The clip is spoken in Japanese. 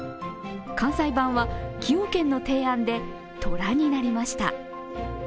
関西版は、崎陽軒の提案でとらになりました。